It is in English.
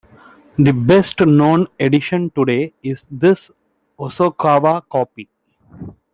The best known edition today is this Hosokawa copy.